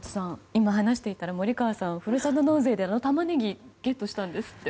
今、話していたら森川さんはふるさと納税でタマネギをゲットしたんですって。